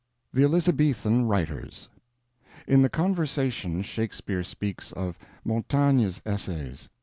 THE ELIZABETHAN WRITERS In the Conversation Shakespeare speaks of Montaigne's Essays.